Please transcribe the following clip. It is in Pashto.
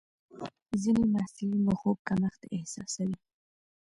ځینې محصلین د خوب کمښت احساسوي.